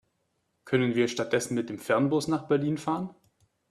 Können wir stattdessen mit dem Fernbus nach Berlin fahren?